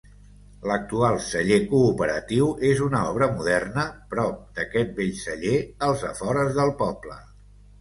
L'actual celler cooperatiu és una obra moderna, prop d'aquest vell celler, als afores del poble.